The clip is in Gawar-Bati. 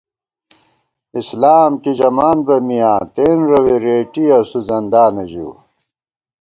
اِسلام کی ژمان بہ میاں تېن رَوے رېٹی اسُو زندانہ ژِؤ